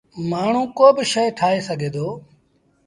مآڻهوٚݩ ڪوبا شئي ٺآهي سگھي دو۔